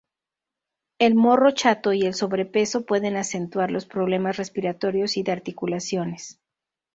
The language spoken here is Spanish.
El morro chato y el sobrepeso pueden acentuar los problemas respiratorios y de articulaciones.